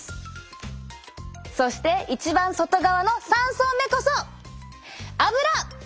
そして一番外側の３層目こそアブラ！